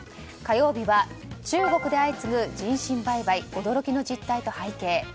火曜日は中国で相次ぐ人身売買驚きの実態と背景。